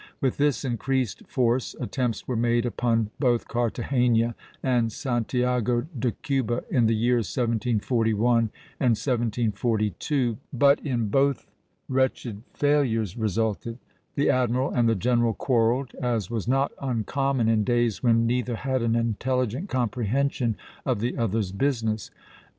With this increased force, attempts were made upon both Cartagena and Santiago de Cuba, in the years 1741 and 1742, but in both wretched failures resulted; the admiral and the general quarrelled, as was not uncommon in days when neither had an intelligent comprehension of the other's business.